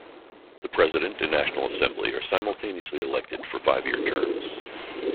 The President and National Assembly are simultaneously elected for five-year terms.